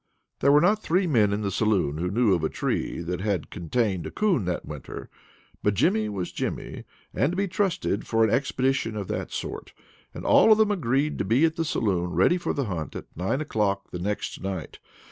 There were not three men in the saloon who knew of a tree that had contained a coon that winter, but Jimmy was Jimmy, and to be trusted for an expedition of that sort; and all of them agreed to be at the saloon ready for the hunt at nine o'clock the next night.